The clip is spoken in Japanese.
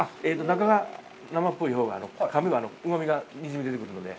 中が生っぽいほうがかむとうまみが出てくるので。